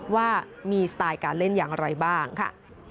ว่ามีสไตล์การเล่นอย่างไรบ้างค่ะ